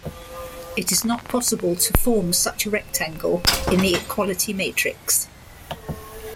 It is not possible to form such a rectangle in the equality matrix.